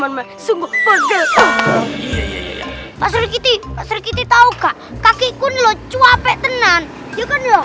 tahu kaki kun lo cuape tenang